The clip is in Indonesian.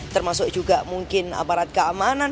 termasuk juga mungkin aparat keamanan